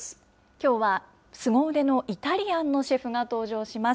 きょうはすご腕のイタリアンのシェフが登場します。